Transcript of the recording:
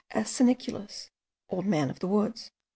seniculus, old man of the woods).